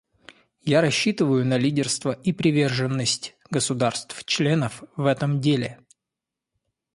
Я рассчитываю на лидерство и приверженность государств-членов в этом деле.